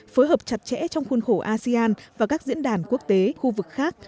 phối hợp chặt chẽ trong khuôn khổ asean và các diễn đàn quốc tế khu vực khác